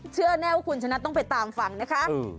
เชื่อแน่ว่าคุณชนะต้องไปตามฟังนะคะ